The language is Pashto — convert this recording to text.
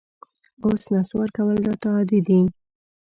اوس نسوار کول راته عادي دي